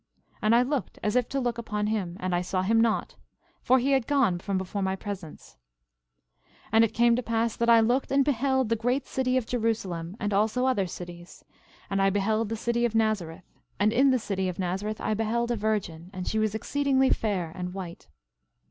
And I looked as if to look upon him, and I saw him not; for he had gone from before my presence. 11:13 And it came to pass that I looked and beheld the great city of Jerusalem, and also other cities. And I beheld the city of Nazareth; and in the city of Nazareth I beheld a virgin, and she was exceedingly fair and white.